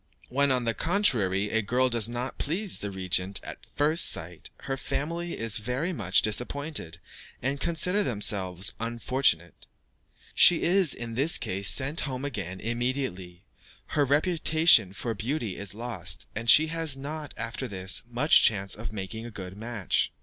When, on the contrary, a girl does not please the regent at first sight, her family are very much disappointed, and consider themselves unfortunate. She is, in this case, sent home again immediately, her reputation for beauty is lost, and she has not, after this, much chance of making a good match.